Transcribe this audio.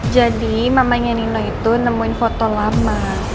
jadi mamanya nino itu nemuin foto lama